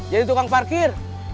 jadi tukang parkir